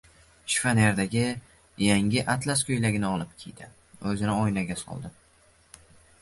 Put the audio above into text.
Shifonьerdagi yangi atlas koʼylagini olib kiydi, oʼzini oynaga soldi.